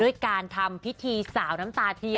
ด้วยการทำพิธีสาวน้ำตาเทียน